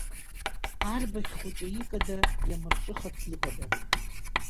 Арбаӷь хәыҷы икада, иамырҿыхац иҟада?!